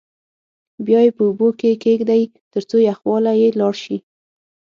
بیا یې په اوبو کې کېږدئ ترڅو تریخوالی یې لاړ شي.